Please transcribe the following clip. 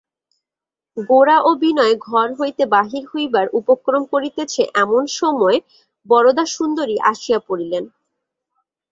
গোরা ও বিনয় ঘর হইতে বাহির হইবার উপক্রম করিতেছে এমন সময় বরদাসুন্দরী আসিয়া পড়িলেন।